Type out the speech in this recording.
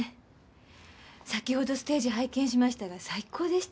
先ほどステージ拝見しましたが最高でした。